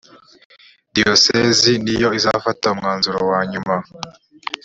diyosezi niyo izafata umwanzuro wa nyuma